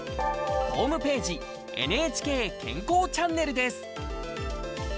ホームページ「ＮＨＫ健康チャンネル」です。